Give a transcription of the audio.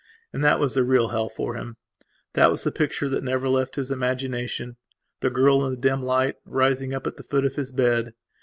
And that was the real hell for him. That was the picture that never left his imaginationthe girl, in the dim light, rising up at the foot of his bed.